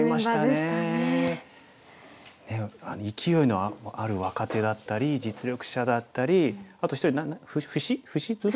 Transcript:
ねえ勢いのある若手だったり実力者だったりあと１人不死不死鶴？